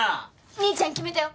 兄ちゃん決めたよ。